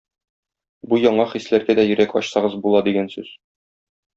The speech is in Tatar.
Бу яңа хисләргә дә йөрәк ачсагыз була дигән сүз.